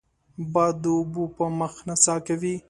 باد د اوبو په مخ نڅا کوي